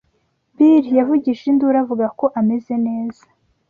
Bill yavugije induru avuga ko ameze neza.